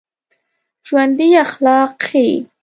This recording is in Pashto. ژوندي اخلاق ښيي